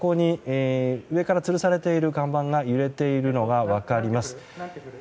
上からつるされている看板が横に揺れているのが分かります。